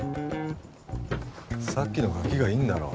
さっきのガキがいんだろ